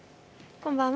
こんばんは。